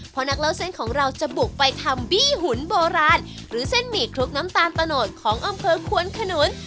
เพราะนักเล่าเส้นของเราจะบุกไปทำบี้หุ่นโบราณหรือเส้นหมี่คลุกน้ำตาลตะโนดของอำเภอควนขนุน